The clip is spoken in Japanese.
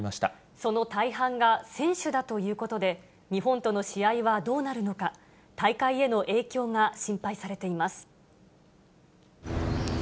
その大半が選手だということで、日本との試合はどうなるのか、大会への影響が心配されています。